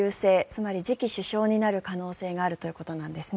つまり次期首相になる可能性があるということです。